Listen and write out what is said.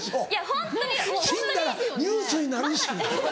死んだらニュースになるし。